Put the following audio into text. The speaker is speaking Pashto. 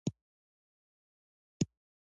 افغانستان کې ژورې سرچینې د خلکو د خوښې وړ ځای دی.